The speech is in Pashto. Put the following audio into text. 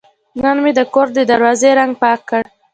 نن مې د کور د دروازې رنګ پاک کړ.